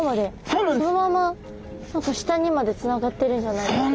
そのまま何か下にまでつながってるんじゃないかって。